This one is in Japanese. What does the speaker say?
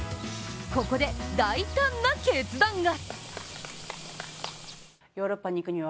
ここで大胆な決断が。